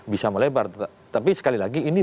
bisa melebar tapi sekali lagi ini